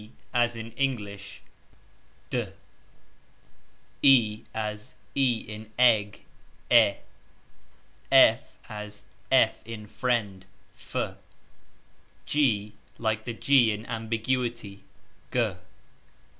... As in English ............ As e in egg ............ As fin friend ............ Like the y in ambiguity ......